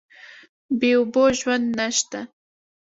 بې اوبو ژوند نشته.